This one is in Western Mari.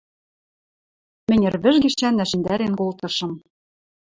Мӹнь ӹрвӹж гишӓн ӓшӹндӓрен колтышым.